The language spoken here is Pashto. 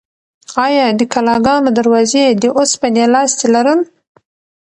ایا د کلاګانو دروازې د اوسپنې لاستي لرل؟